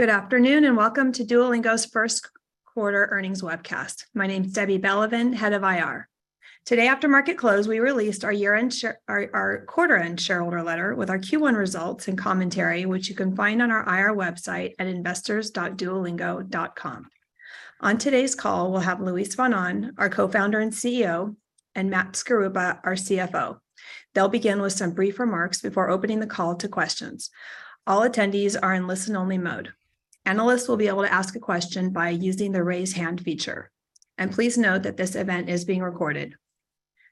Good afternoon, welcome to Duolingo's Q1 earnings webcast. My name is Debbie Belevan, head of IR. Today after market close, we released our quarter-end shareholder letter with our Q1 results and commentary, which you can find on our IR website at investors.duolingo.com. On today's call, we'll have Luis von Ahn, our co-founder and CEO, and Matt Skaruppa, our CFO. They'll begin with some brief remarks before opening the call to questions. All attendees are in listen-only mode. Analysts will be able to ask a question by using the Raise Hand feature. Please note that this event is being recorded.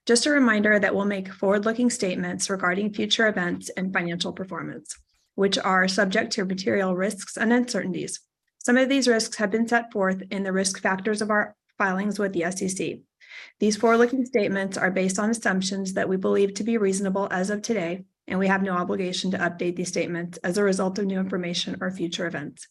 Just a reminder that we'll make forward-looking statements regarding future events and financial performance, which are subject to material risks and uncertainties. Some of these risks have been set forth in the risk factors of our filings with the S.E.C. These forward-looking statements are based on assumptions that we believe to be reasonable as of today. We have no obligation to update these statements as a result of new information or future events.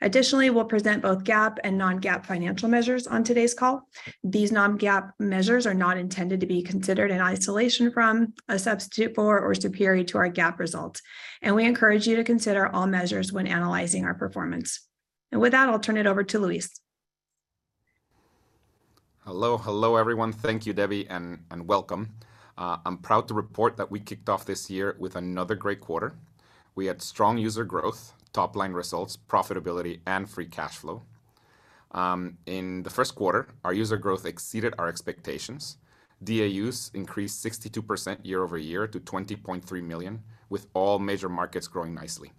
Additionally, we'll present both GAAP and non-GAAP financial measures on today's call. These non-GAAP measures are not intended to be considered in isolation from, a substitute for, or superior to our GAAP results. We encourage you to consider all measures when analyzing our performance. With that, I'll turn it over to Luis. Hello, hello everyone. Thank you, Debbie, and welcome. I'm proud to report that we kicked off this year with another great quarter. We had strong user growth, top-line results, profitability, and free cash flow. In the Q1, our user growth exceeded our expectations. DAUs increased 62% year-over-year to 20.3 million, with all major markets growing nicely.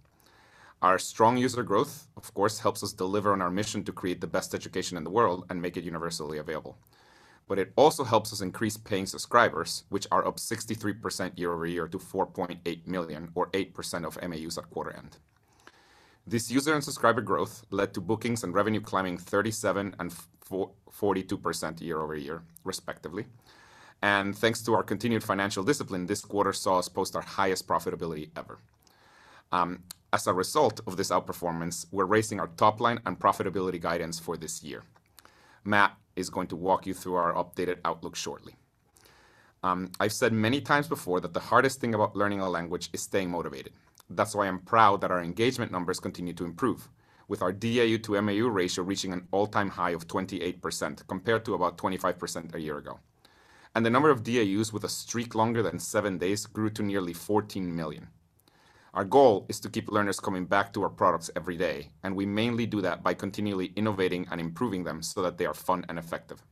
Our strong user growth, of course, helps us deliver on our mission to create the best education in the world and make it universally available. It also helps us increase paying subscribers, which are up 63% year-over-year to 4.8 million or 8% of MAUs at quarter end. This user and subscriber growth led to bookings and revenue climbing 37% and 42% year-over-year, respectively. Thanks to our continued financial discipline, this quarter saw us post our highest profitability ever. As a result of this outperformance, we're raising our top line and profitability guidance for this year. Matt is going to walk you through our updated outlook shortly. I've said many times before that the hardest thing about learning a language is staying motivated. That's why I'm proud that our engagement numbers continue to improve, with our DAU to MAU ratio reaching an all-time high of 28%, compared to about 25% a year ago. The number of DAUs with a streak longer than seven days grew to nearly 14 million. Our goal is to keep learners coming back to our products every day, we mainly do that by continually innovating and improving them so that they are fun and effective.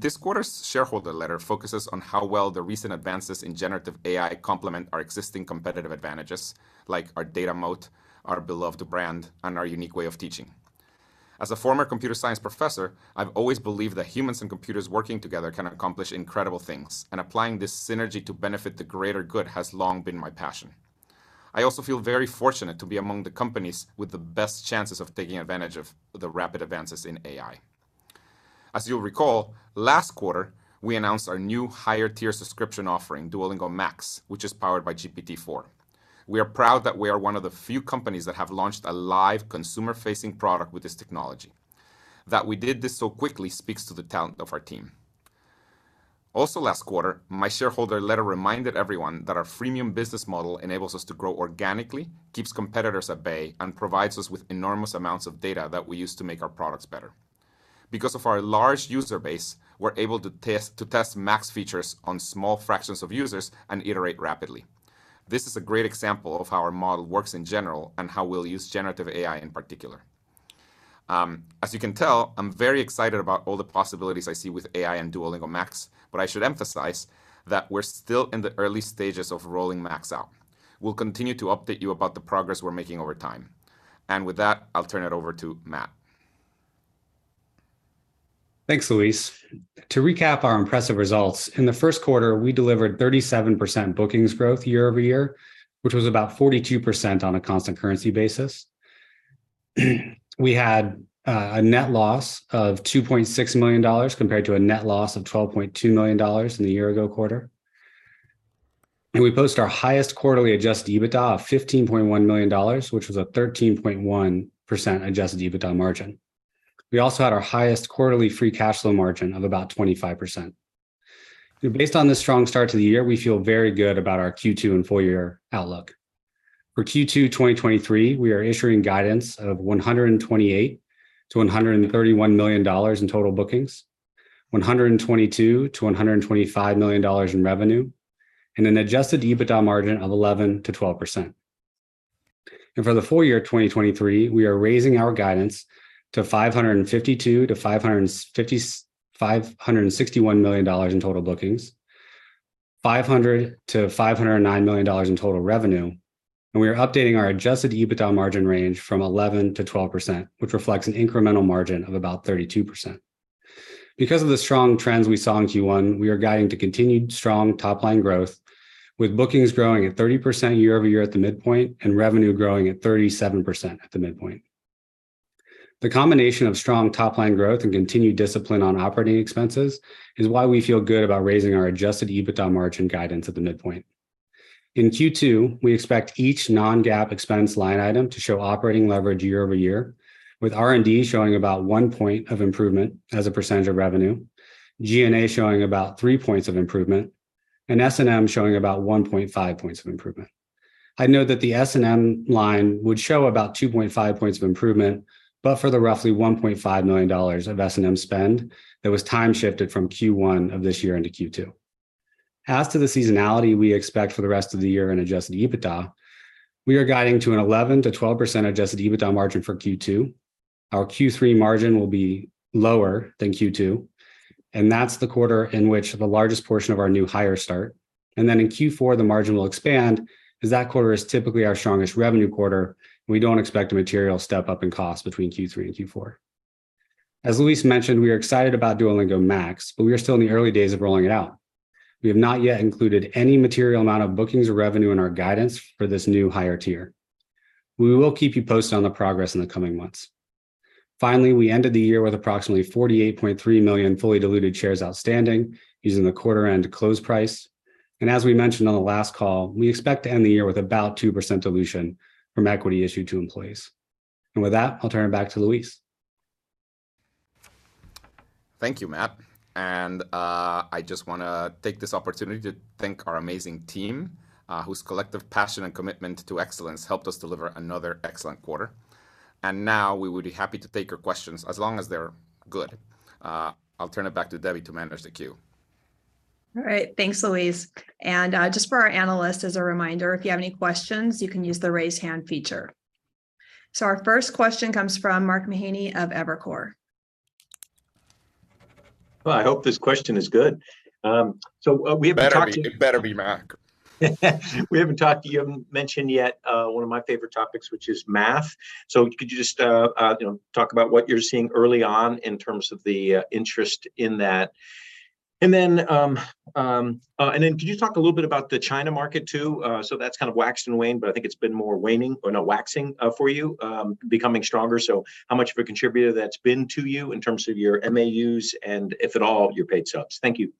This quarter's shareholder letter focuses on how well the recent advances in generative AI complement our existing competitive advantages, like our data moat, our beloved brand, and our unique way of teaching. As a former computer science professor, I've always believed that humans and computers working together can accomplish incredible things, and applying this synergy to benefit the greater good has long been my passion. I also feel very fortunate to be among the companies with the best chances of taking advantage of the rapid advances in AI. As you'll recall, last quarter, we announced our new higher-tier subscription offering, Duolingo Max, which is powered by GPT-4. We are proud that we are one of the few companies that have launched a live consumer-facing product with this technology. That we did this so quickly speaks to the talent of our team. Last quarter, my shareholder letter reminded everyone that our freemium business model enables us to grow organically, keeps competitors at bay, and provides us with enormous amounts of data that we use to make our products better. Of our large user base, we're able to test Max features on small fractions of users and iterate rapidly. This is a great example of how our model works in general and how we'll use generative AI in particular. As you can tell, I'm very excited about all the possibilities I see with AI and Duolingo Max, I should emphasize that we're still in the early stages of rolling Max out. We'll continue to update you about the progress we're making over time. With that, I'll turn it over to Matt. Thanks, Luis. To recap our impressive results, in the Q1, we delivered 37% bookings growth year-over-year, which was about 42% on a constant currency basis. We had a net loss of $2.6 million compared to a net loss of $12.2 million in the year ago quarter. We post our highest quarterly adjusted EBITDA of $15.1 million, which was a 13.1% adjusted EBITDA margin. We also had our highest quarterly free cash flow margin of about 25%. Based on the strong start to the year, we feel very good about our Q2 and full year outlook. For Q2 2023, we are issuing guidance of $128 million-$131 million in total bookings, $122 million-$125 million in revenue, and an adjusted EBITDA margin of 11% to 12%. For the full year 2023, we are raising our guidance to $552 million-$561 million in total bookings, $500 million-$509 million in total revenue, and we are updating our adjusted EBITDA margin range from 11% to 12%, which reflects an incremental margin of about 32%. Because of the strong trends we saw in Q1, we are guiding to continued strong top-line growth, with bookings growing at 30% year-over-year at the midpoint and revenue growing at 37% at the midpoint. The combination of strong top-line growth and continued discipline on operating expenses is why we feel good about raising our adjusted EBITDA margin guidance at the midpoint. In Q2, we expect each non-GAAP expense line item to show operating leverage year-over-year, with R&D showing about 1 point of improvement as a percentage of revenue, G&A showing about 3 points of improvement. S&M showing about 1.5 points of improvement. I know that the S&M line would show about 2.5 points of improvement, but for the roughly $1.5 million of S&M spend that was time shifted from Q1 of this year into Q2. As to the seasonality we expect for the rest of the year in adjusted EBITDA, we are guiding to an 11% to 12% adjusted EBITDA margin for Q2. Our Q3 margin will be lower than Q2, that's the quarter in which the largest portion of our new hires start. Then in Q4, the margin will expand as that quarter is typically our strongest revenue quarter, and we don't expect a material step-up in cost between Q3 and Q4. As Luis mentioned, we are excited about Duolingo Max, we are still in the early days of rolling it out. We have not yet included any material amount of bookings or revenue in our guidance for this new higher tier. We will keep you posted on the progress in the coming months. Finally, we ended the year with approximately 48.3 million fully diluted shares outstanding using the quarter-end close price. As we mentioned on the last call, we expect to end the year with about 2% dilution from equity issued to employees. With that, I'll turn it back to Luis. Thank you, Matt. I just wanna take this opportunity to thank our amazing team, whose collective passion and commitment to excellence helped us deliver another excellent quarter. Now we would be happy to take your questions as long as they're good. I'll turn it back to Debbie to manage the queue. All right. Thanks, Luis. Just for our analysts, as a reminder, if you have any questions, you can use the Raise Hand feature. Our first question comes from Mark Mahaney of Evercore. Well, I hope this question is good. We haven't talked to you. It better be, Mark. Haven't mentioned yet, one of my favorite topics, which is Math. Could you just, you know, talk about what you're seeing early on in terms of the interest in that? Then could you talk a little bit about the China market too? That's kind of waxed and waned, but I think it's been more waning or now waxing, for you, becoming stronger. How much of a contributor that's been to you in terms of your MAUs and if at all your paid subs? Thank you.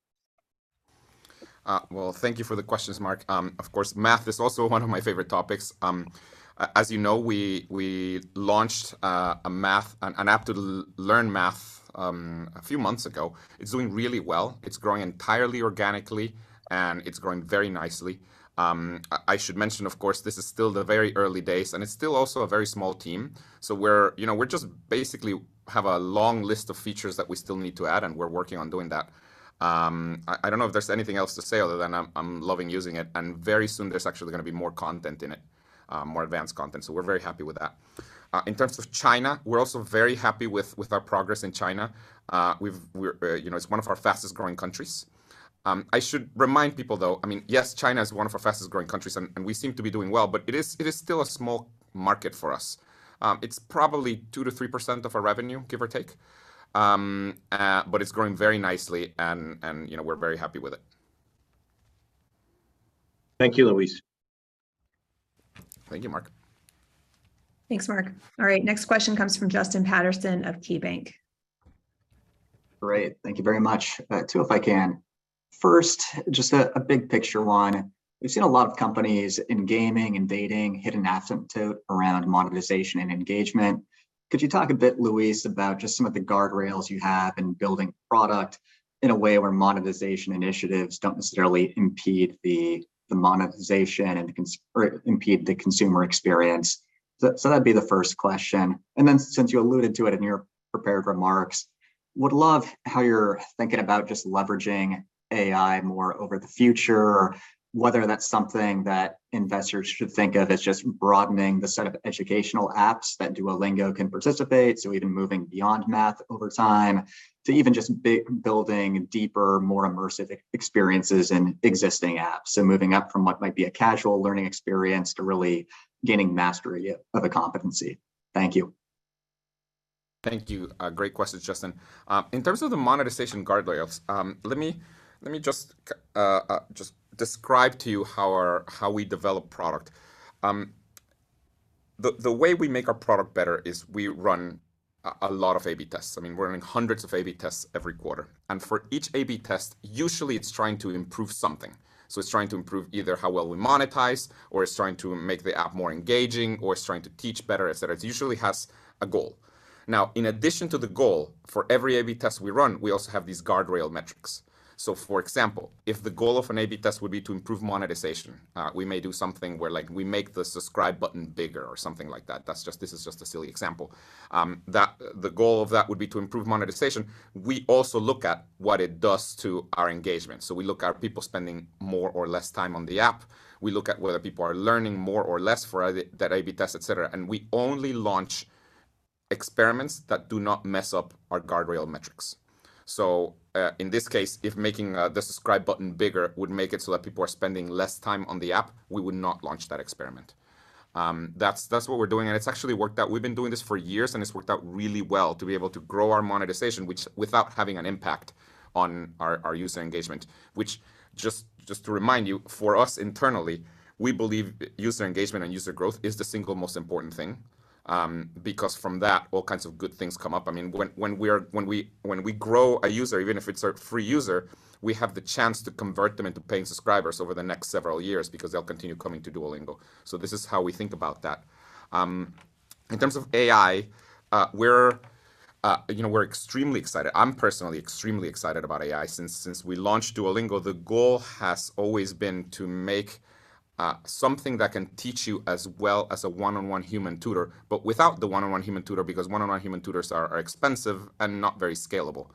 Well, thank you for the questions, Mark. Of course, Math is also one of my favorite topics. As you know, we launched an app to learn Math a few months ago. It's doing really well. It's growing entirely organically, and it's growing very nicely. I should mention, of course, this is still the very early days, and it's still also a very small team. We're, you know, we're just basically have a long list of features that we still need to add, and we're working on doing that. I don't know if there's anything else to say other than I'm loving using it. Very soon there's actually gonna be more content in it, more advanced content. We're very happy with that. In terms of China, we're also very happy with our progress in China. We're, you know, it's one of our fastest-growing countries. I should remind people, though, I mean, yes, China is one of our fastest-growing countries, and we seem to be doing well, but it is still a small market for us. It's probably, 2% to 3% of our revenue, give or take. But it's growing very nicely and, you know, we're very happy with it. Thank you, Luis. Thank you, Mark. Thanks, Mark. All right, next question comes from Justin Patterson of KeyBank. Great. Thank you very much. Two, if I can. First, just a big picture one. We've seen a lot of companies in gaming and dating hit an asymptote around monetization and engagement. Could you talk a bit, Luis, about just some of the guardrails you have in building product in a way where monetization initiatives don't necessarily impede the monetization or impede the consumer experience? That'd be the first question. Since you alluded to it in your prepared remarks, would love how you're thinking about just leveraging AI more over the future, whether that's something that investors should think of as just broadening the set of educational apps that Duolingo can participate, so even moving beyond Math over time to even just building deeper, more immersive experiences in existing apps? Moving up from what might be a casual learning experience to really gaining mastery of a competency. Thank you. Thank you. Great questions, Justin. In terms of the monetization guardrails, let me just describe to you how we develop product. The way we make our product better is we run a lot of A/B tests. I mean, we're running hundreds of A/B tests every quarter. For each A/B test, usually it's trying to improve something. It's trying to improve either how well we monetize or it's trying to make the app more engaging or it's trying to teach better, et cetera. It usually has a goal. In addition to the goal, for every A/B test we run, we also have these guardrail metrics. For example, if the goal of an A/B test would be to improve monetization, we may do something where, like, we make the Subscribe button bigger or something like that. This is just a silly example. The goal of that would be to improve monetization. We also look at what it does to our engagement. We look at people spending more or less time on the app. We look at whether people are learning more or less for that A/B test, et cetera. We only launch experiments that do not mess up our guardrail metrics. In this case, if making the Subscribe button bigger would make it so that people are spending less time on the app, we would not launch that experiment. That's what we're doing, and it's actually worked out. We've been doing this for years. It's worked out really well to be able to grow our monetization, without having an impact on our user engagement, which just to remind you, for us internally, we believe user engagement and user growth is the single most important thing. Because from that, all kinds of good things come up. I mean, when we grow a user, even if it's a free user, we have the chance to convert them into paying subscribers over the next several years because they'll continue coming to Duolingo. This is how we think about that. In terms of AI, you know, we're extremely excited. I'm personally extremely excited about AI. Since we launched Duolingo, the goal has always been to make something that can teach you as well as a one-on-one human tutor, but without the one-on-one human tutor, because one-on-one human tutors are expensive and not very scalable.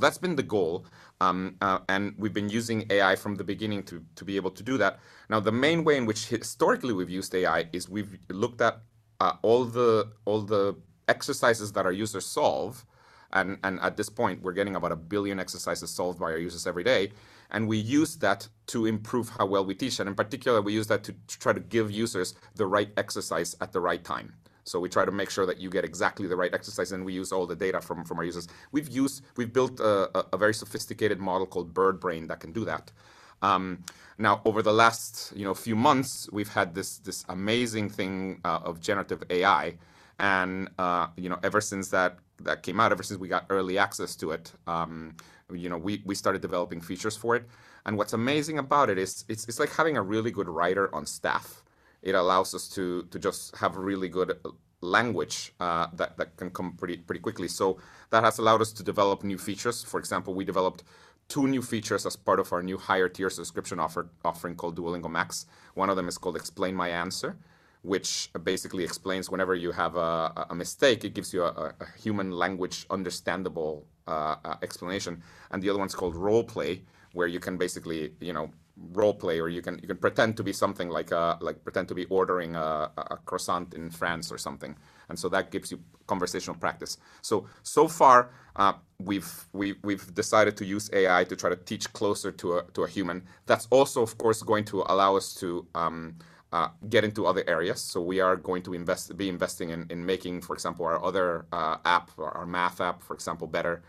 That's been the goal, and we've been using AI from the beginning to be able to do that. Now, the main way in which historically we've used AI is we've looked at all the exercises that our users solve, and at this point, we're getting about 1 billion exercises solved by our users every day, and we use that to improve how well we teach. In particular, we use that to try to give users the right exercise at the right time. We try to make sure that you get exactly the right exercise, and we use all the data from our users. We've built a very sophisticated model called Birdbrain that can do that. Now, over the last few months, we've had this amazing thing of generative AI, and ever since that came out, ever since we got early access to it, we started developing features for it. What's amazing about it is it's like having a really good writer on staff. It allows us to just have really good language that can come pretty quickly. That has allowed us to develop new features. For example, we developed two new features as part of our new higher-tier subscription offering called Duolingo Max. One of them is called Explain My Answer, which basically explains whenever you have a mistake, it gives you a human language understandable explanation. The other one's called Roleplay, where you can basically, you know, roleplay, or you can pretend to be something like pretend to be ordering a croissant in France or something. That gives you conversational practice. So far, we've decided to use AI to try to teach closer to a human. That's also, of course, going to allow us to get into other areas. We are going to be investing in making, for example, our other app, our math app, for example, better,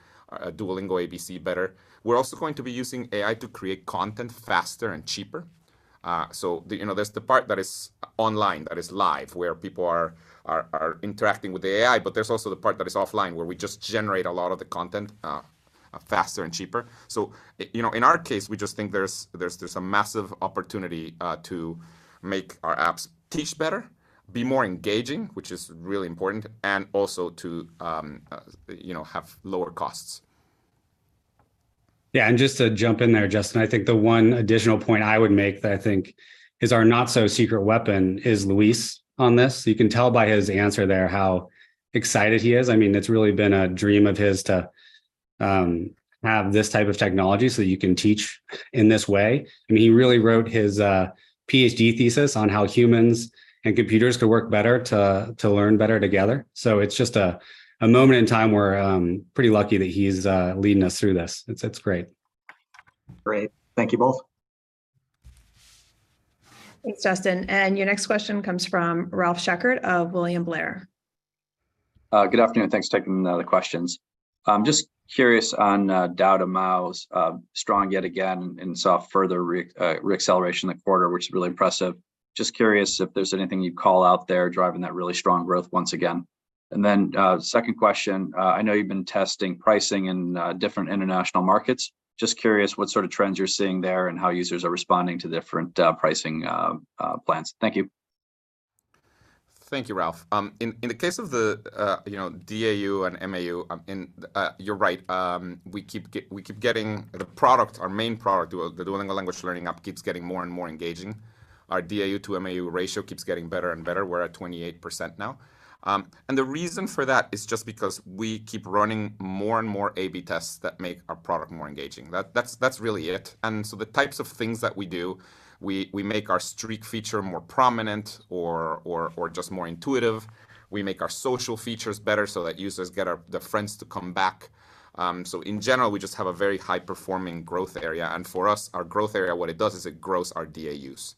Duolingo ABC better. We're also going to be using AI to create content faster and cheaper. T1here's the part that is online, that is live, where people are interacting with the AI, but there's also the part that is offline, where we just generate a lot of the content, faster and cheaper. You know, in our case, we just think there's a massive opportunity to make our apps teach better, be more engaging, which is really important, and also to, you know, have lower costs. Yeah. Just to jump in there, Justin, I think the one additional point I would make that I think is our not-so-secret weapon is Luis on this. You can tell by his answer there how excited he is. I mean, it's really been a dream of his to have this type of technology so you can teach in this way. I mean, he really wrote his PhD thesis on how humans and computers could work better to learn better together. It's just a moment in time where I'm pretty lucky that he's leading us through this. It's great. Great. Thank you both. Thanks, Justin. Your next question comes from Ralph Schackart of William Blair. Good afternoon. Thanks for taking the questions. I'm just curious on DAU to MAUs, strong yet again and saw further reacceleration that quarter, which is really impressive. Just curious if there's anything you'd call out there driving that really strong growth once again? Second question, I know you've been testing pricing in different international markets. Just curious what sort of trends you're seeing there and how users are responding to different pricing plans? Thank you. Thank you, Ralph. In the case of the, you know, DAU and MAU, you're right. We keep getting the product, our main product, the Duolingo language learning app keeps getting more and more engaging. Our DAU to MAU ratio keeps getting better and better. We're at 28% now. The reason for that is just because we keep running more and more A/B tests that make our product more engaging. That's really it. The types of things that we do, we make our streak feature more prominent or just more intuitive. We make our social features better so that users get their friends to come back. In general, we just have a very high-performing growth area. For us, our growth area, what it does is it grows our DAUs.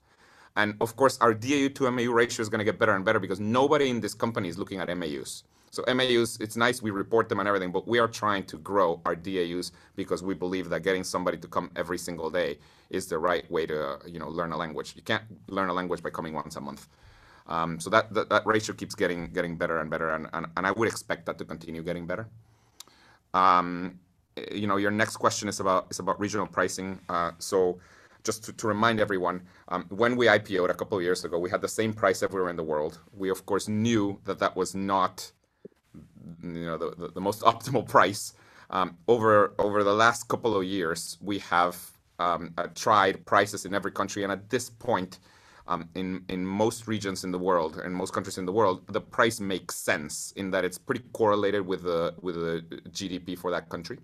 Of course, our DAU to MAU ratio is gonna get better and better because nobody in this company is looking at MAUs. MAUs, it's nice we report them and everything, but we are trying to grow our DAUs because we believe that getting somebody to come every single day is the right way to, you know, learn a language. You can't learn a language by coming once a month. So that ratio keeps getting better and better, and I would expect that to continue getting better. You know, your next question is about regional pricing. So just to remind everyone, when we IPO'd a couple years ago, we had the same price everywhere in the world. We of course knew that that was not, you know, the most optimal price. Over the last couple of years, we have tried prices in every country, and at this point, in most regions in the world and most countries in the world, the price makes sense in that it's pretty correlated with the GDP for that country.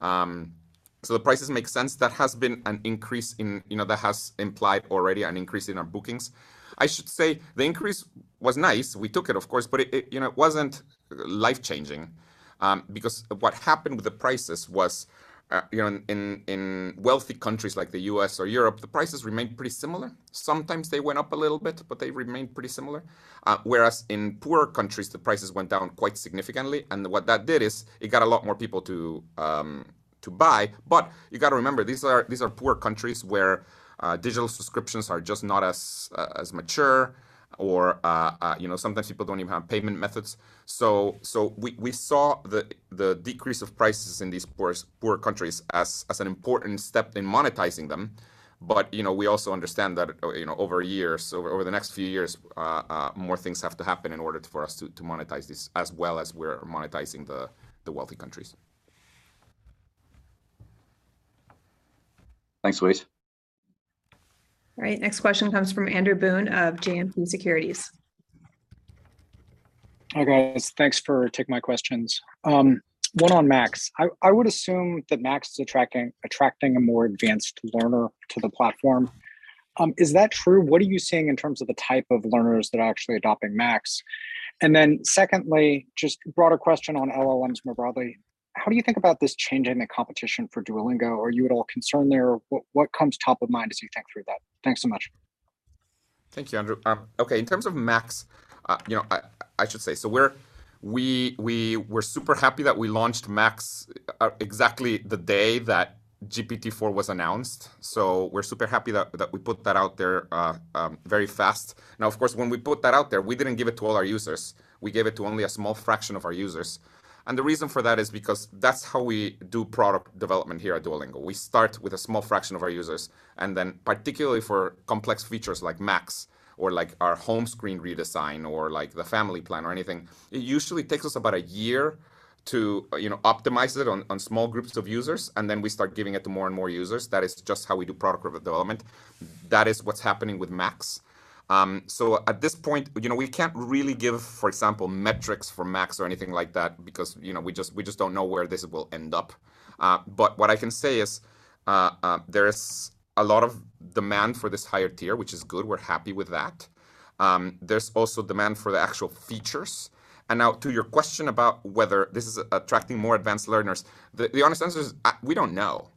The prices make sense. That has been an increase in, you know, that has implied already an increase in our bookings. I should say the increase was nice. We took it, of course, but it, you know, it wasn't life-changing, because what happened with the prices was, you know, in wealthy countries like the U.S. or Europe, the prices remained pretty similar. Sometimes they went up a little bit, but they remained pretty similar. Whereas in poorer countries, the prices went down quite significantly. What that did is it got a lot more people to buy. You gotta remember, these are poor countries where digital subscriptions are just not as mature or, you know, sometimes people don't even have payment methods. We saw the decrease of prices in these poor countries as an important step in monetizing them. You know, we also understand that, you know, over years, over the next few years, more things have to happen in order for us to monetize this as well as we're monetizing the wealthy countries. Thanks, Louis. All right. Next question comes from Andrew Boone of JMP Securities. Hi, guys. Thanks for taking my questions. One on Duolingo Max. I would assume that Duolingo Max is attracting a more advanced learner to the platform. Is that true? What are you seeing in terms of the type of learners that are actually adopting Duolingo Max? Secondly, just broader question on LLMs more broadly, how do you think about this change in the competition for Duolingo? Are you at all concerned there? What comes top of mind as you think through that? Thanks so much. Thank you, Andrew. Okay. In terms of Max, you know, I should say, we were super happy that we launched Max exactly the day that GPT-4 was announced. We're super happy that we put that out there very fast. Of course, when we put that out there, we didn't give it to all our users. We gave it to only a small fraction of our users. The reason for that is because that's how we do product development here at Duolingo. We start with a small fraction of our users, and then particularly for complex features like Max or like our home screen redesign or like the Family Plan or anything, it usually takes us about a year to, you know, optimize it on small groups of users, and then we start giving it to more and more users. That is just how we do product development. That is what's happening with Max. At this point, you know, we can't really give, for example, metrics for Max or anything like that because, you know, we just don't know where this will end up. What I can say is, there is a lot of demand for this higher tier, which is good. We're happy with that. There's also demand for the actual features. Now to your question about whether this is attracting more advanced learners, the honest answer is, we don't know.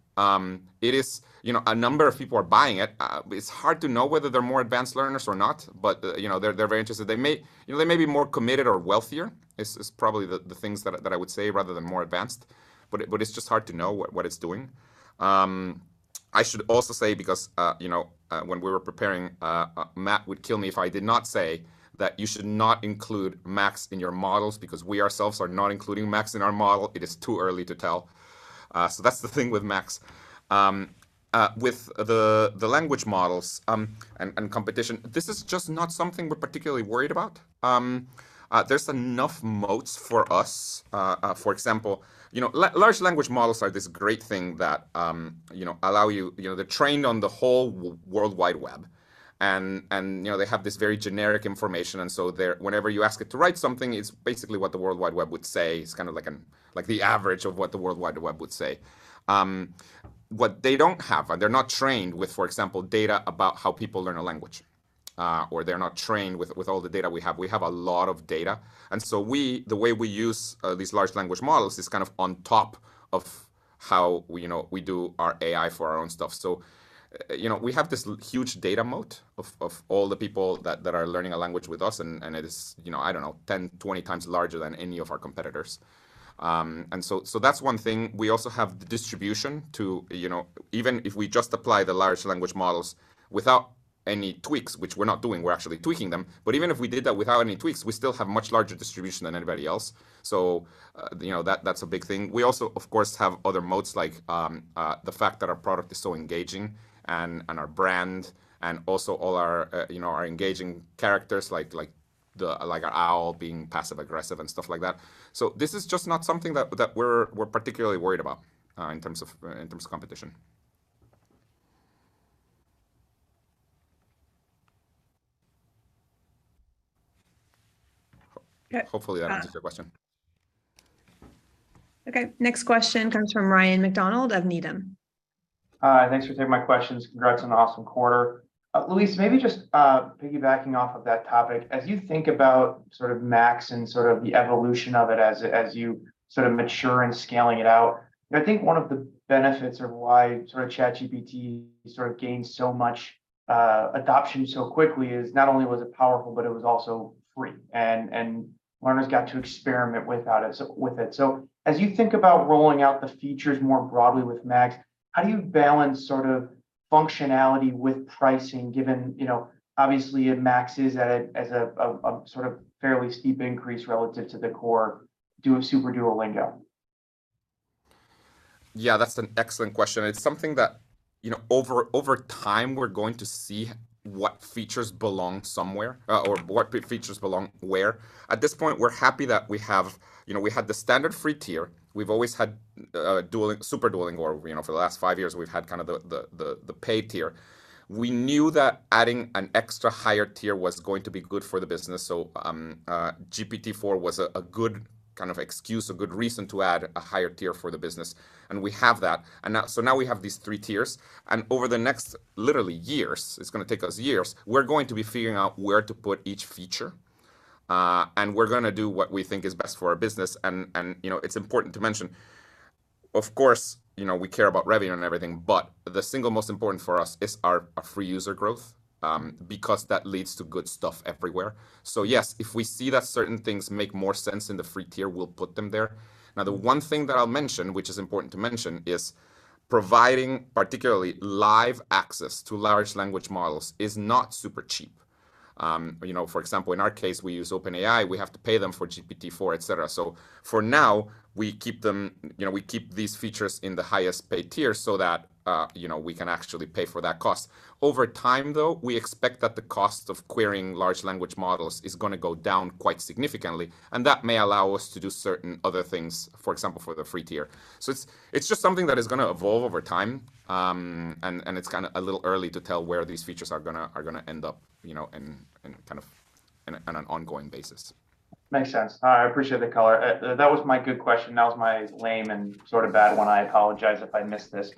It is, you know, a number of people are buying it. It's hard to know whether they're more advanced learners or not, but, you know, they're very interested. They may, you know, they may be more committed or wealthier, is probably the things that I would say, rather than more advanced. t’s just hard to know what it’s doing. I should also say because, you know, when we were preparing, Matt would kill me if I did not say that you should not include Max in your models because we ourselves are not including Max in our model. It is too early to tell. That's the thing with Max. With the language models and competition, this is just not something we're particularly worried about. There's enough moats for us. For example, you know, large language models are this great thing that, you know, allow you. You know, they're trained on the whole worldwide web and, you know, they have this very generic information, so whenever you ask it to write something, it's basically what the worldwide web would say. It's kind of like the average of what the worldwide web would say. What they don't have, and they're not trained with, for example, data about how people learn a language, or they're not trained with all the data we have. We have a lot of data. The way we use these large language models is kind of on top of how we, you know, we do our AI for our own stuff. We have this huge data moat of all the people that are learning a language with us, and it is, you know, I don't know, 10, 20 times larger than any of our competitors. That's one thing. We also have the distribution to, you know, even if we just apply the large language models without any tweaks, which we're not doing, we're actually tweaking them, but even if we did that without any tweaks, we still have much larger distribution than anybody else. That's a big thing. We also, of course, have other moats like, the fact that our product is so engaging and our brand and also all our, you know, our engaging characters like the, like our owl being passive-aggressive and stuff like that. This is just not something that we're particularly worried about, in terms of competition. Hopefully that answers your question. Okay. Next question comes from Ryan MacDonald of Needham. Thanks for taking my questions. Congrats on an awesome quarter. Luis, maybe just piggybacking off of that topic, as you think about sort of Max and sort of the evolution of it as you sort of mature in scaling it out, you know, I think one of the benefits of why sort of ChatGPT sort of gained so much adoption so quickly is not only was it powerful, but it was also free and learners got to experiment with it. As you think about rolling out the features more broadly with Max, how do you balance sort of functionality with pricing given, you know, obviously if Max is at a as a sort of fairly steep increase relative to the core Super Duolingo? Yeah, that's an excellent question. It's something that, you know, over time, we're going to see what features belong somewhere or what features belong where. At this point, we're happy that we have... You know, we had the standard free tier. We've always had Super Duolingo or, you know, for the last five years, we've had kind of the paid tier. We knew that adding an extra higher tier was going to be good for the business, so GPT-4 was a good kind of excuse, a good reason to add a higher tier for the business, and we have that. Now we have these three tiers, and over the next literally years, it's gonna take us years, we're going to be figuring out where to put each feature, and we're gonna do what we think is best for our business. You know, it's important to mention, of course, you know, we care about revenue and everything, but the single most important for us is our free user growth because that leads to good stuff everywhere. Yes, if we see that certain things make more sense in the free tier, we'll put them there. The one thing that I'll mention, which is important to mention, is providing particularly live access to Large Language Models is not super cheap. You know, for example, in our case, we use OpenAI, we have to pay them for GPT-4, et cetera. For now, we keep them, you know, we keep these features in the highest paid tier so that, you know, we can actually pay for that cost. Over time, though, we expect that the cost of querying large language models is gonna go down quite significantly, and that may allow us to do certain other things, for example, for the free tier. It's just something that is gonna evolve over time, and it's kinda a little early to tell where these features are gonna end up, you know, in kind of in an ongoing basis. Makes sense. I appreciate the color. That was my good question. That was my lame and sort of bad one. I apologize if I missed this.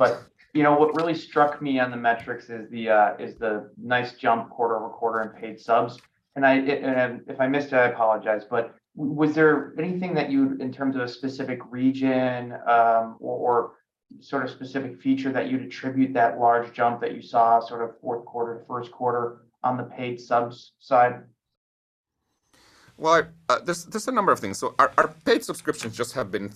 You know, what really struck me on the metrics is the is the nice jump quarter-over-quarter in paid subs. If I missed it, I apologize, but was there anything that you, in terms of a specific region, or sort of specific feature that you'd attribute that large jump that you saw sort of fourth quarter to Q1 on the paid subs side? Well, there's a number of things. Our paid subscriptions just have been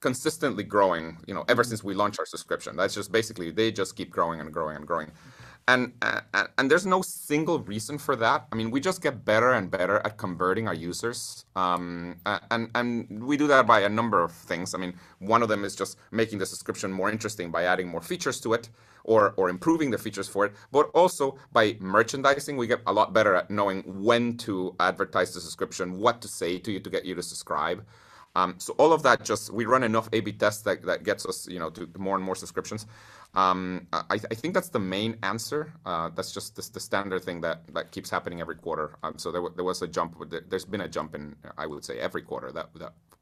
consistently growing, you know, ever since we launched our subscription. That's just basically, they just keep growing and growing and growing. And there's no single reason for that. I mean, we just get better and better at converting our users. And we do that by a number of things. I mean, one of them is just making the subscription more interesting by adding more features to it or improving the features for it. Also by merchandising, we get a lot better at knowing when to advertise the subscription, what to say to you to get you to subscribe. All of that just we run enough A/B tests that gets us, you know, to more and more subscriptions. I think that's the main answer. That's just the standard thing that keeps happening every quarter. There was a jump with it. There's been a jump in, I would say every quarter that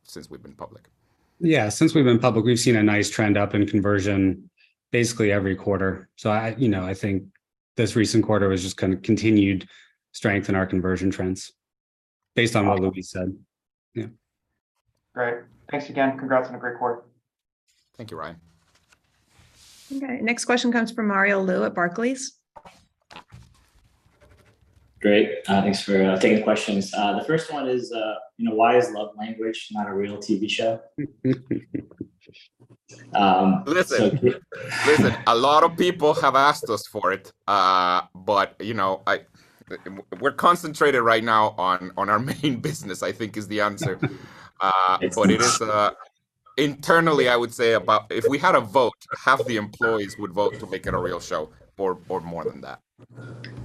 since we've been public. Yeah, since we've been public, we've seen a nice trend up in conversion basically every quarter. I, you know, I think this recent quarter was just kind of continued strength in our conversion trends based on what Luis said. Yeah. Great. Thanks again. Congrats on a great quarter. Thank you, Ryan. Okay, next question comes from Mario Lu at Barclays. Great. Thanks for taking questions. The first one is, you know, why is Love Language not a real TV show? Listen, a lot of people have asked us for it. You know, we're concentrated right now on our main business, I think is the answer. It's good. It is internally, I would say if we had a vote, half the employees would vote to make it a real show or more than that.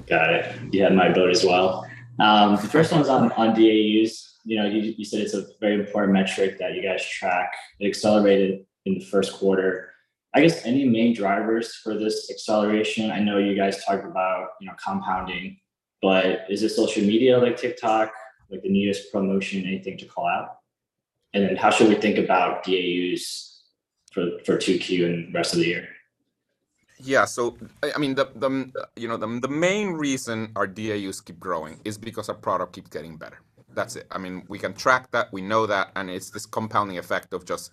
Got it. You had my vote as well. The first one's on DAUs. You know, you said it's a very important metric that you guys track. It accelerated in the Q1. I guess any main drivers for this acceleration? I know you guys talked about, you know, compounding, but is it social media like TikTok, like the newest promotion, anything to call out? How should we think about DAUs for 2Q and the rest of the year? Yeah. I mean, the, you know, the main reason our DAUs keep growing is because our product keeps getting better. That's it. I mean, we can track that, we know that, and it's this compounding effect of just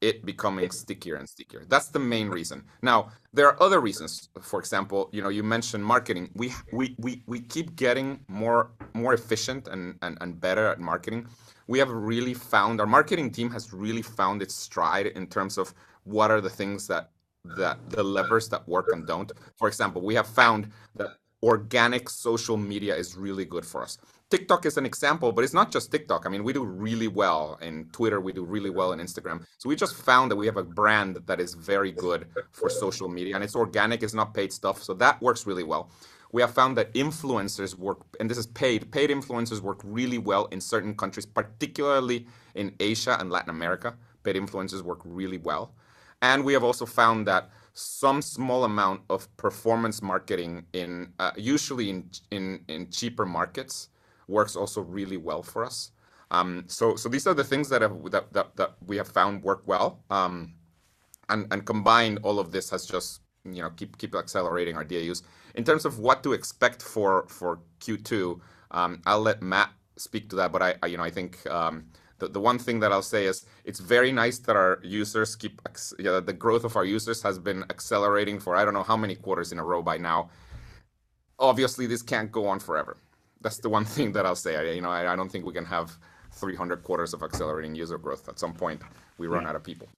it becoming stickier and stickier. That's the main reason. Now, there are other reasons. For example, you know, you mentioned marketing. We keep getting more efficient and better at marketing. Our marketing team has really found its stride in terms of what are the things that the levers that work and don't. For example, we have found that organic social media is really good for us. TikTok is an example, but it's not just TikTok. I mean, we do really well in Twitter. We do really well in Instagram. We just found that we have a brand that is very good for social media, and it's organic. It's not paid stuff, so that works really well. We have found that influencers work, and this is paid. Paid influencers work really well in certain countries, particularly in Asia and Latin America. Paid influencers work really well. We have also found that some small amount of performance marketing in, usually in cheaper markets works also really well for us. So these are the things that we have found work well. Combined, all of this has just, you know, keep accelerating our DAUs. In terms of what to expect for Q2, I'll let Matt speak to that, but I, you know, I think the one thing that I'll say is it's very nice that our users keep, you know, the growth of our users has been accelerating for I don't know how many quarters in a row by now. Obviously, this can't go on forever. That's the one thing that I'll say. You know, I don't think we can have 300 quarters of accelerating user growth. At some point, we run out of people.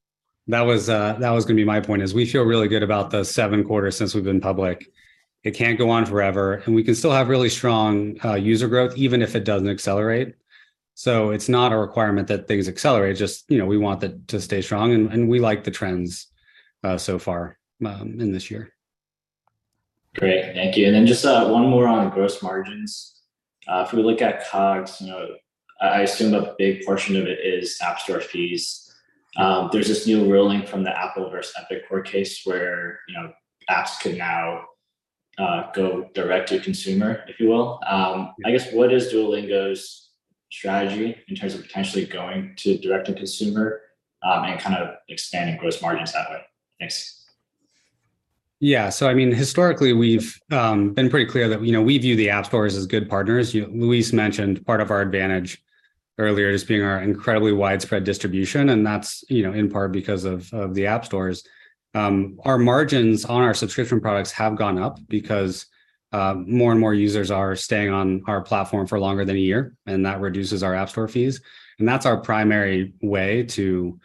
That was, that was gonna be my point is we feel really good about the 7 quarters since we've been public. It can't go on forever, and we can still have really strong user growth even if it doesn't accelerate. It's not a requirement that things accelerate. Just, you know, we want that to stay strong and we like the trends so far in this year. Great. Thank you. Just, one more on gross margins. If we look at COGS, you know, I assume a big portion of it is App Store fees. There's this new ruling from the Apple versus Epic court case where, you know, apps can now, go direct to consumer, if you will. I guess what is Duolingo's strategy in terms of potentially going to direct to consumer, and kind of expanding gross margins that way? Thanks. Yeah. I mean, historically, we've been pretty clear that, you know, we view the App Stores as good partners. Luis mentioned part of our advantage earlier as being our incredibly widespread distribution, and that's, you know, in part because of the App Stores. Our margins on our subscription products have gone up because more and more users are staying on our platform for longer than a year, and that reduces our App Store fees. That's our primary way to,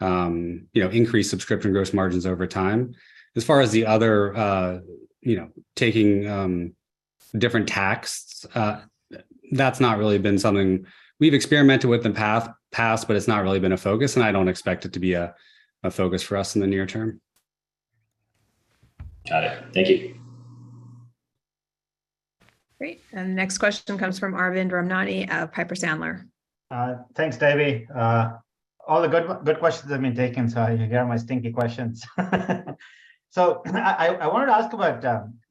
you know, increase subscription gross margins over time. As far as the other, you know, taking different tax, that's not really been something. We've experimented with in past, but it's not really been a focus, and I don't expect it to be a focus for us in the near term. Got it. Thank you. Great. Next question comes from Arvind Ramnani of Piper Sandler. Thanks, Debbie. All the good questions have been taken, so you get my stinky questions. I wanted to ask about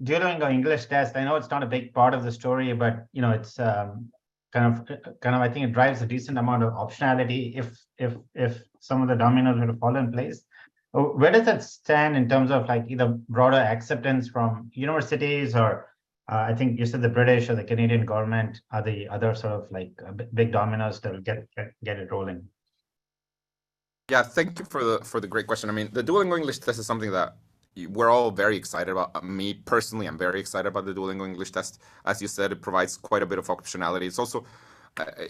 Duolingo English Test. I know it's not a big part of the story, but, you know, it's kind of I think it drives a decent amount of optionality if some of the dominoes were to fall in place. Where does that stand in terms of like either broader acceptance from universities or, I think you said the British or the Canadian government are the other sort of like big dominoes that will get it rolling? Yeah. Thank you for the, for the great question. I mean, the Duolingo English Test is something that we're all very excited about. Me, personally, I'm very excited about the Duolingo English Test. As you said, it provides quite a bit of optionality. It's also,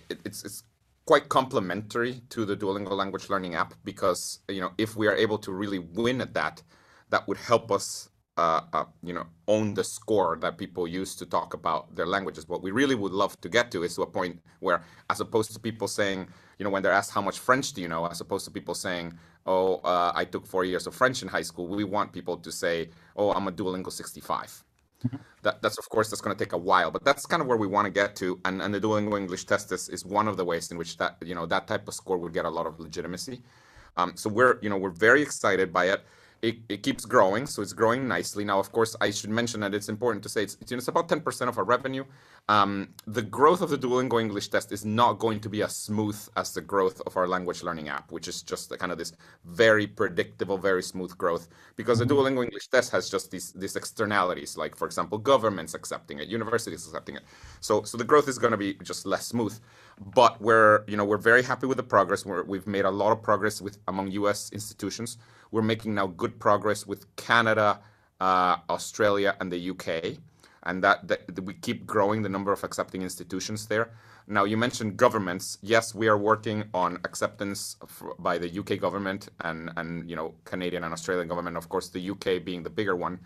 it's quite complimentary to the Duolingo language learning app because, you know, if we are able to really win at that would help us, you know, own the score that people use to talk about their languages. What we really would love to get to is to a point where, as opposed to people saying, you know, when they're asked, "How much French do you know?" As opposed to people saying, "Oh, I took four years of French in high school," we want people to say, "Oh, I'm a Duolingo 65. Mm-hmm. That's, of course, that's gonna take a while, but that's kind of where we wanna get to. The Duolingo English Test is one of the ways in which that, you know, that type of score will get a lot of legitimacy. We're, you know, we're very excited by it. It keeps growing. It's growing nicely. Now, of course, I should mention that it's important to say it's, you know, it's about 10% of our revenue. The growth of the Duolingo English Test is not going to be as smooth as the growth of our language learning app, which is just kind of this very predictable, very smooth growth. Mm-hmm. The Duolingo English Test has just these externalities, like for example, governments accepting it, universities accepting it. The growth is gonna be just less smooth. We're, you know, we're very happy with the progress. We've made a lot of progress with among U.S. institutions. We're making now good progress with Canada, Australia, and the U.K., and that we keep growing the number of accepting institutions there. You mentioned governments. Yes, we are working on acceptance of, by the U.K. government and, you know, Canadian and Australian government, of course, the U.K. being the bigger one.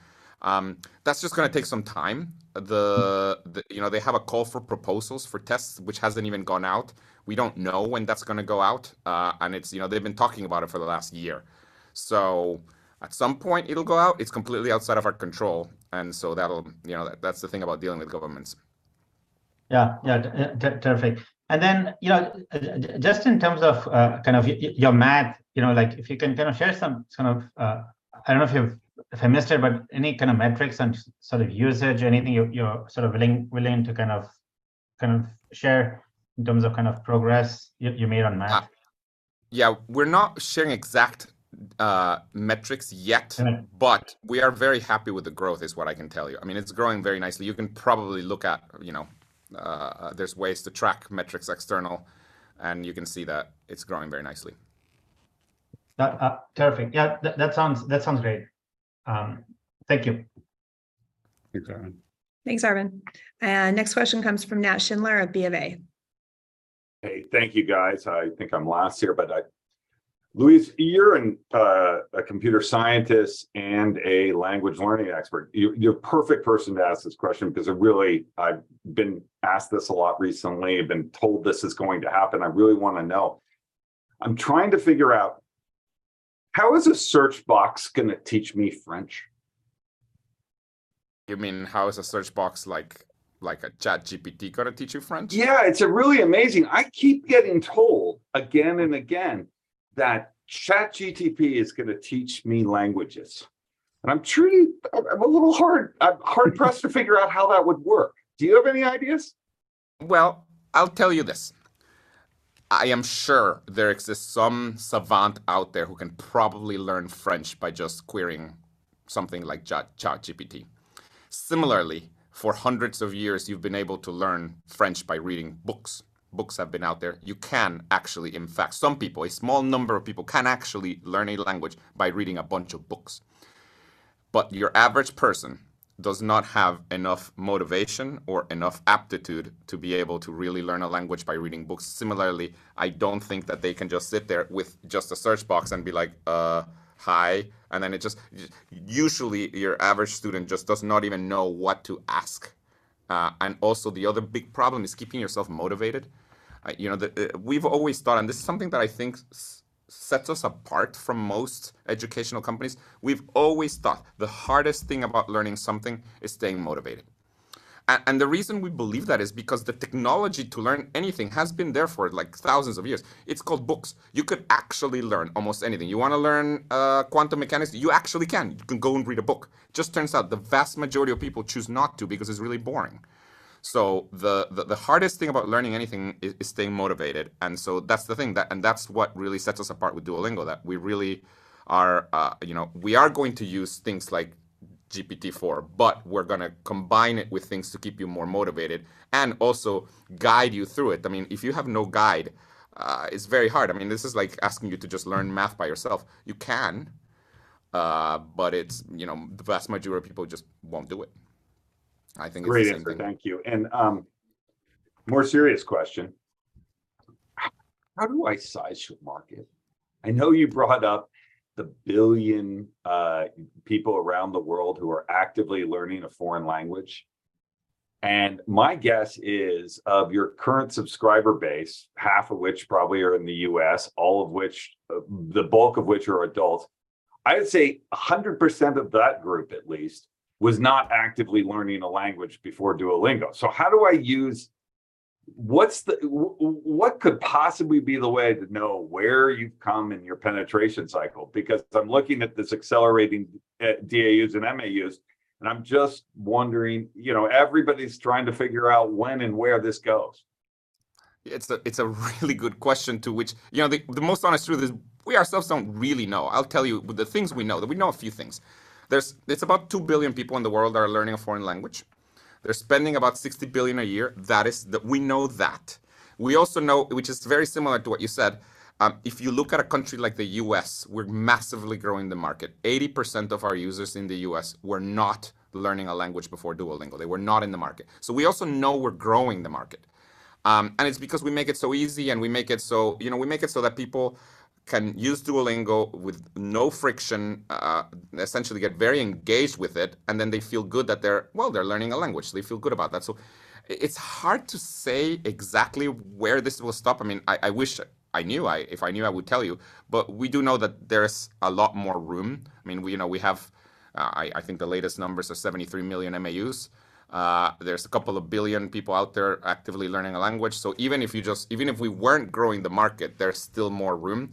That's just gonna take some time. The, you know, they have a call for proposals for tests, which hasn't even gone out. We don't know when that's gonna go out. It's, you know, they've been talking about it for the last year. At some point it'll go out. It's completely outside of our control, that'll, you know, that's the thing about dealing with governments. Yeah. Yeah. Terrific. Then, you know, just in terms of, kind of your math, you know, like if you can kind of share some kind of, I don't know if you've, if I missed it, but any kind of metrics on sort of usage or anything you're sort of willing to kind of share in terms of kind of progress you made on math? Yeah, we're not sharing exact, metrics yet. Mm-hmm. We are very happy with the growth, is what I can tell you. I mean, it's growing very nicely. You can probably look at, you know, there's ways to track metrics external, and you can see that it's growing very nicely. That, terrific. Yeah. That sounds great. Thank you. Thanks, Arvind. Thanks, Arvind. Next question comes from Nat Schindler of BofA. Hey, thank you guys. I think I'm last here, but Luis, you're a computer scientist and a language learning expert. You're perfect person to ask this question because I really, I've been asked this a lot recently. I've been told this is going to happen. I really wanna know. I'm trying to figure out, how is a search box gonna teach me French? You mean, how is a search box like a ChatGPT gonna teach you French? Yeah. It's, really amazing. I keep getting told again and again that ChatGPT is gonna teach me languages, and I'm truly, I'm a little hard, I'm hard-pressed to figure out how that would work. Do you have any ideas? Well, I'll tell you this: I am sure there exists some savant out there who can probably learn French by just querying something like ChatGPT. Similarly, for hundreds of years, you've been able to learn French by reading books. Books have been out there. You can actually, in fact, some people, a small number of people can actually learn a language by reading a bunch of books. Your average person does not have enough motivation or enough aptitude to be able to really learn a language by reading books. Similarly, I don't think that they can just sit there with just a search box and be like, "Hi." Usually, your average student just does not even know what to ask. Also, the other big problem is keeping yourself motivated. You know, we've always thought, this is something that I think sets us apart from most educational companies. We've always thought the hardest thing about learning something is staying motivated. The reason we believe that is because the technology to learn anything has been there for like thousands of years. It's called books. You could actually learn almost anything. You wanna learn quantum mechanics? You actually can. You can go and read a book. Just turns out the vast majority of people choose not to because it's really boring. The hardest thing about learning anything is staying motivated. That's the thing. That's what really sets us apart with Duolingo, that we really are, you know, we are going to use things like GPT-4, but we're gonna combine it with things to keep you more motivated and also guide you through it. I mean, if you have no guide, it's very hard. I mean, this is like asking you to just learn math by yourself. You can, but it's, you know, the vast majority of people just won't do it. I think it's the same thing. Great answer. Thank you. More serious question, how do I size your market? I know you brought up the 1 billion people around the world who are actively learning a foreign language, and my guess is, of your current subscriber base, half of which probably are in the U.S., all of which, the bulk of which are adults-I would say 100% of that group at least was not actively learning a language before Duolingo. How do I use... What's the, what could possibly be the way to know where you've come in your penetration cycle? Because I'm looking at this accelerating, at DAUs and MAUs, and I'm just wondering, you know, everybody's trying to figure out when and where this goes. It's a really good question to which, you know, the most honest truth is we ourselves don't really know. I'll tell you the things we know, that we know a few things. There's about 2 billion people in the world that are learning a foreign language. They're spending about $60 billion a year. That is, we know that. We also know, which is very similar to what you said, if you look at a country like the U.S., we're massively growing the market. 80% of our users in the U.S. were not learning a language before Duolingo. They were not in the market. We also know we're growing the market. It's because we make it so easy, and we make it so, you know, we make it so that people can use Duolingo with no friction, essentially get very engaged with it, and then they feel good that they're, well, they're learning a language. They feel good about that. It's hard to say exactly where this will stop. I mean, I wish I knew. I, if I knew, I would tell you. We do know that there's a lot more room. I mean, we, you know, we have, I think the latest numbers are 73 million MAUs. There's a couple of billion people out there actively learning a language, so even if you just, even if we weren't growing the market, there's still more room.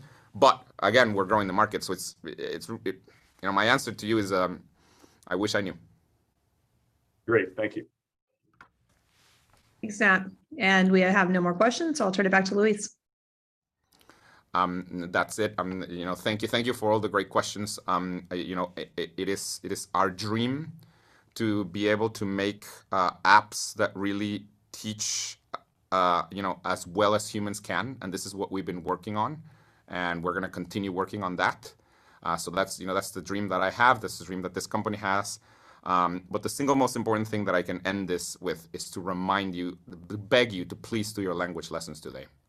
Again, we're growing the market, so it, you know, my answer to you is, I wish I knew. Great. Thank you. Thanks, Nat. We have no more questions, so I'll turn it back to Luis. That's it. You know, thank you for all the great questions. You know, it is our dream to be able to make apps that really teach, you know, as well as humans can, and this is what we've been working on, and we're gonna continue working on that. That's, you know, that's the dream that I have. That's the dream that this company has. The single most important thing that I can end this with is to remind you, beg you to please do your language lessons today.